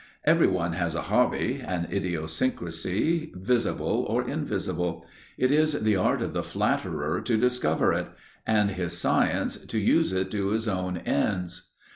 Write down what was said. Everyone has a hobby, an idiosyncrasy, visible or invisible; it is the art of the flatterer to discover it, and his science to use it to his own ends.